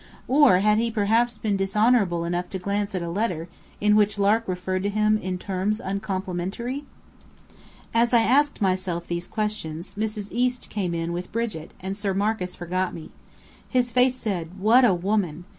Or had he perhaps been dishonourable enough to glance at a letter, in which Lark referred to him in terms uncomplimentary? As I asked myself these questions, Mrs. East came in with Brigit, and Sir Marcus forgot me. His face said "What a woman!"